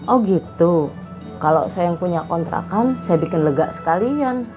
oh gitu kalau saya yang punya kontrakan saya bikin lega sekalian